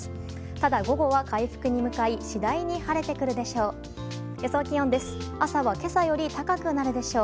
ただ午後は回復に向かい次第に晴れてくるでしょう。